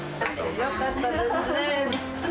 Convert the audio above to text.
よかったですね。